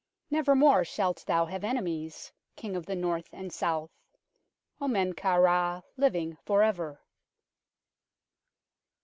Never more shalt thou have enemies, King of the North and South, O Men kau Ra, living for ever."